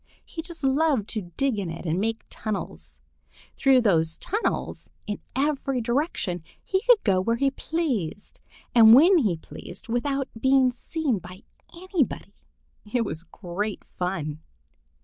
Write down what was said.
He just loved to dig in it and make tunnels. Through those tunnels in every direction he could go where he pleased and when he pleased without being seen by anybody. It was great fun!